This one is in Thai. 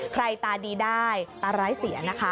ใครตาดีได้ตาไร้เสียนะคะ